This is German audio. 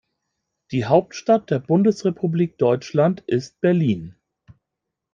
Die Hauptstadt der Bundesrepublik Deutschland ist Berlin